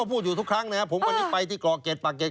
พูดอยู่ทุกครั้งนะครับผมวันนี้ไปที่กรอก๗ปากเกร็